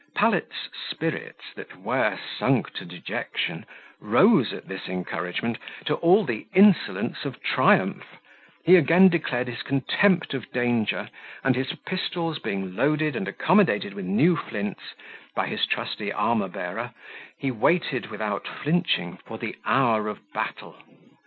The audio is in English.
Pallet's spirits, that were sunk to dejection, rose at this encouragement to all the insolence of triumph; he again declared his contempt of danger, and his pistols being loaded and accommodated with new flints, by his trusty armour bearer, he waited, without flinching, for the hour of battle.